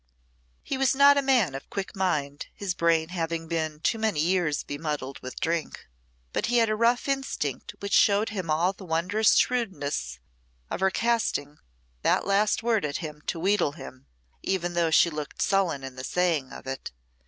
He was not a man of quick mind, his brain having been too many years bemuddled with drink, but he had a rough instinct which showed him all the wondrous shrewdness of her casting that last word at him to wheedle him, even though she looked sullen in the saying it.